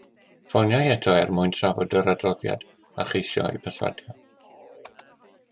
Ffoniai eto er mwyn trafod yr adroddiad a cheisio eu perswadio